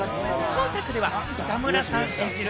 今作では北村さん演じる